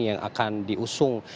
yang akan diusung